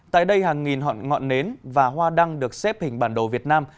tại đây hàng nghìn họn ngọn nến và hoa đăng được xếp hình bản đồ việt nam